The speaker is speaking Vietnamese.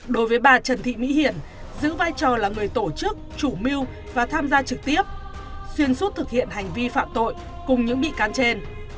đối với bà trần thị mỹ hiển giữ vai trò là người tổ chức chủ mưu và tham gia trực tiếp xuyên suốt thực hiện hành vi phạm tội cùng những bị can trên